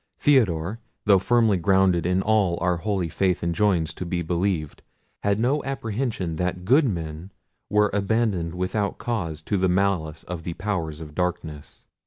Theodore, though firmly grounded in all our holy faith enjoins to be believed, had no apprehension that good men were abandoned without cause to the malice of the powers of darkness.